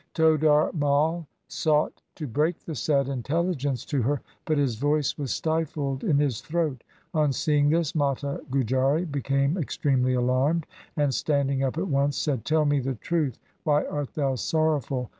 Todar Mai sought to break the sad intelligence to her, but his voice was stifled in his throat. On seeing this, Mata Gujari became extremely alarmed, and standing up at once said, ' Tell me the truth. Why art thou sorrowful